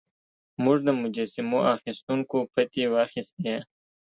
موږ د مجسمو اخیستونکو پتې واخیستې.